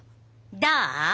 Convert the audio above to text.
どう？